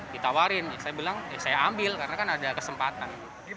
ditawarin saya bilang saya ambil karena kan ada kesempatan